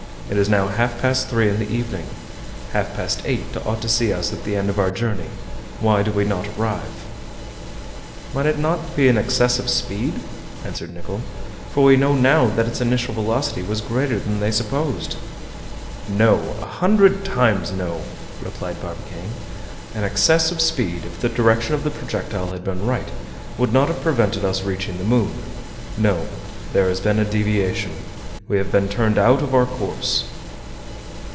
It is now half past three in the evening; half past eight ought to see us at the end of our journey. Why do we not arrive?" "Might it not be an excess of speed?" answered Nicholl; "for we know now that its initial velocity was greater than they supposed." "No! a hundred times, no!" replied Barbicane. "An excess of speed, if the direction of the projectile had been right, would not have prevented us reaching the moon. No, there has been a deviation. We have been turned out of our course."